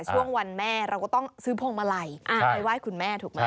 ช่วงวันแม่เราก็ต้องซื้อพวงมาลัยไปไหว้คุณแม่ถูกไหม